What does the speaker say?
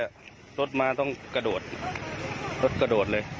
รถมาต้องกระโดดรถกระโดดเลย